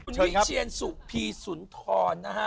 คุณวิเทียนสุภีศุนย์ถอนนะฮะ